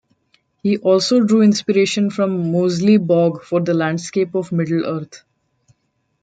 He also drew inspiration from Moseley Bog for the landscape of Middle-earth.